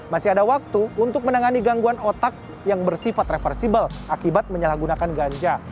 masih ada waktu untuk menangani gangguan otak yang bersifat reversible akibat menyalahgunakan ganja